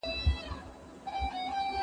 عملي کار د نظري معلوماتو په پرتله ستونزمن دی.